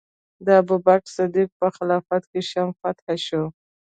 د ابوبکر صدیق په خلافت کې شام فتح شو.